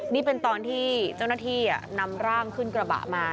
นี่เป็นตอนที่เจ้าหน้าที่นำร่างขึ้นกระบะมา